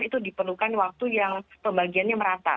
itu diperlukan waktu yang pembagiannya merata